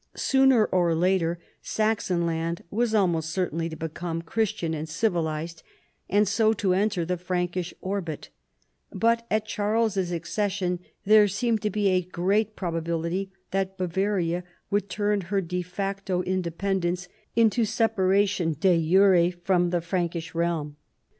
Sooner or later Saxon land Avas almost certain to become Chris tian and civilized, and so to enter the Frankish orbit : but at Charles' accession there seemed to be a great probability that Bavaria would turn her de facto in dependence into separation dejure from the Frank ish realm.